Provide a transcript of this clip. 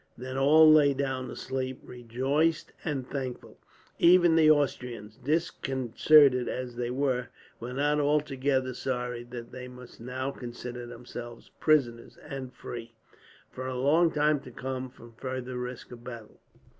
Then all lay down to sleep, rejoiced and thankful; and even the Austrians, disconcerted as they were, were not altogether sorry that they must now consider themselves prisoners; and free, for a long time to come, from further risk of battle.